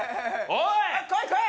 おい！